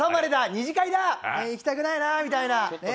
二次会だ、行きたくないなみたいな。